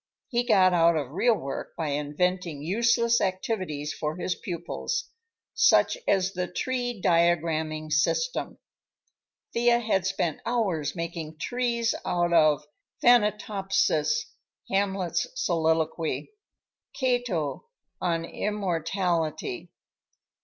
He got out of real work by inventing useless activities for his pupils, such as the "tree diagramming system." Thea had spent hours making trees out of "Thanatopsis," Hamlet's soliloquy, Cato on "Immortality."